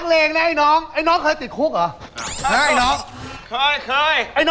ยังยังไงแท้เท้า